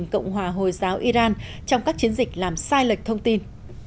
cộng hòa hồi giáo iran trong các chiến dịch làm sai lệch thông tin